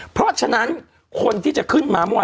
เพราะฉะนั้นคนที่จะขึ้นมาเมื่อวาน